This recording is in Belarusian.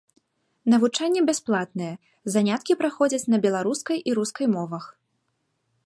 Навучанне бясплатнае, заняткі праходзяць на беларускай і рускай мовах.